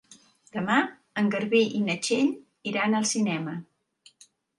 Demà en Garbí i na Txell iran al cinema.